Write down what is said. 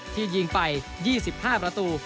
ที่ยิงไป๒๕ประตู